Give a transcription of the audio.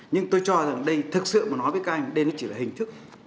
nhưng tôi cho rằng đây thực sự mà nói với các anh đây nó chỉ là hình thức